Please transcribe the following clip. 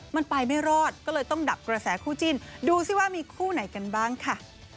มันไปไม่รอดก็เลยต้องดับกระแสคู่จิ้นดูสิว่ามีคู่ไหนกันบ้างค่ะ